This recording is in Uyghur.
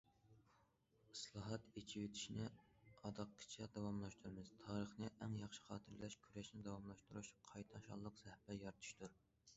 ئىسلاھات، ئېچىۋېتىشنى ئاداققىچە داۋاملاشتۇرىمىز تارىخنى ئەڭ ياخشى خاتىرىلەش كۈرەشنى داۋاملاشتۇرۇش، قايتا شانلىق سەھىپە يارىتىشتۇر.